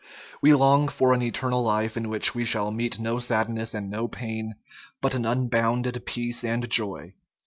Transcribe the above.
We long for an eternal life in which we shall meet no sadness and no pain, but an unbounded peace and joy.